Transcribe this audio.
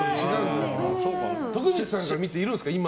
徳光さんから見ているんですか